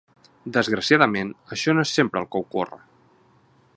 Desgraciadament, això no és sempre el que ocorre.